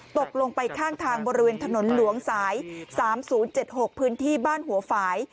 ตกลงไปข้างทางบริเวณถนนหลวงสาย๓๐๗๖พื้นที่บ้านหัวฝ่าย